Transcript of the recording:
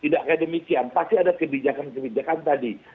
tidak kayak demikian pasti ada kebijakan kebijakan tadi